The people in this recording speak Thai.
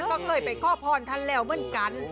ก็เคยไปขอพรท่านแล้วเหมือนกัน